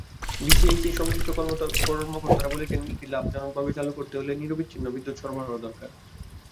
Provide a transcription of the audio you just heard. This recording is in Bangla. বিসিআইসির সংশ্লিষ্ট কর্মকর্তারা বলছেন, মিলটি লাভজনকভাবে চালু করতে হলে নিরবচ্ছিন্ন বিদ্যুৎ সরবরাহ দরকার।